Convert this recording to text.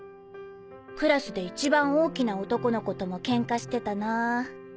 クラスで一番大きな男の子ともケンカしてたなぁ。